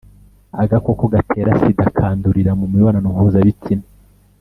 agakoko gatera sida kandurira mu mibonano mpuza bitsina